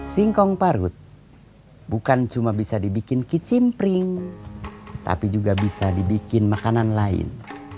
singkong parut bukan cuma bisa dibikin kicimpring tapi juga bisa dibikin makanan lain